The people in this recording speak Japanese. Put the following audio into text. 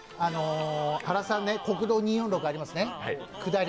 原さん、国道２４６ありますね下り。